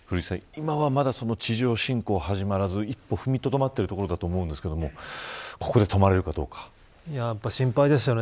今はまだ地上侵攻は始まらず一歩踏みとどまっているところだと思うんですけれどもやっぱり心配ですよね。